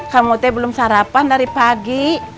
kamu teh belum sarapan dari pagi